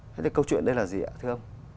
thế thì câu chuyện đây là gì ạ thưa ông